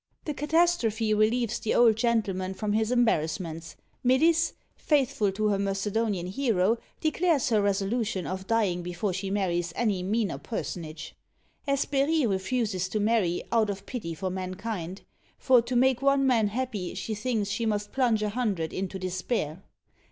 The catastrophe relieves the old gentleman from his embarrassments. Melisse, faithful to her Macedonian hero, declares her resolution of dying before she marries any meaner personage. Hesperie refuses to marry, out of pity for mankind; for to make one man happy she thinks she must plunge a hundred into despair.